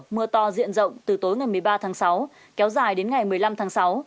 mưa to diện rộng từ tối ngày một mươi ba tháng sáu kéo dài đến ngày một mươi năm tháng sáu